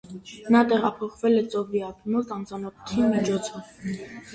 Նա տեղափոխվել է ծովի ափի մոտ անծանոթի միջոցով։